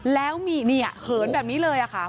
แล้วมีเฮินแบบนี้เลยอ่ะค่ะ